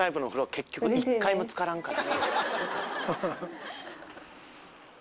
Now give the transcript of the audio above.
結局一回もつからんから。